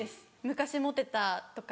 昔モテたとか。